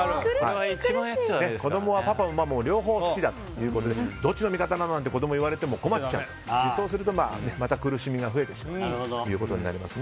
子供はパパもママも両方好きだということでどっちの味方？なんて子供が言われてしまうとそうすると、また苦しみが増えてしまうことになります。